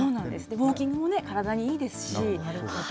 ウォーキングも体にいいですし。